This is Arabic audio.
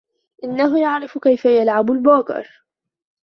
إنه يعرف كيف يلعب البوكر.